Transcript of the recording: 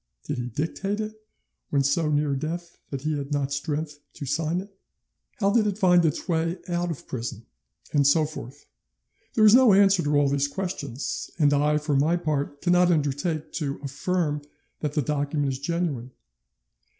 Did he dictate it when so near death that he had not strength to sign it? How did it find its way out of prison? And so forth. There is no answer to all these questions, and I, for my part, cannot undertake to affirm that the document is genuine.